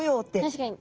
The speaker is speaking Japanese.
確かに！